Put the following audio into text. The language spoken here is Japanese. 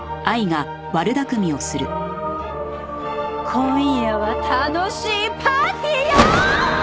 今夜は楽しいパーティーよ！！